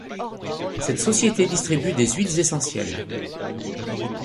Cette société distribue des huiles essentielles.